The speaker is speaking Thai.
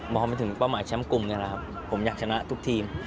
พอมาถึงเป้าหมายแชมป์กลุ่มนี่แหละครับผมอยากชนะทุกทีม